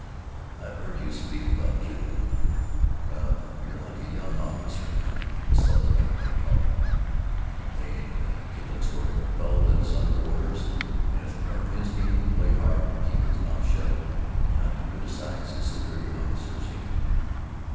I've heard you speak about Kipling. Well, you're like a young officer—a subaltern they call it, don't they?—in a Kipling story, a fellow that's under orders, and it's part of his game to play hard and keep his mouth shut and to not criticize his superior officers, ain't it?"